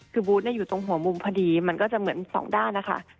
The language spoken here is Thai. คือบูธอยู่ตรงหัวมุมพอดีมันก็จะเหมือนสองด้านนะคะ